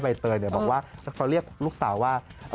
ใบเตยเขาเรียกลูกสาวว่า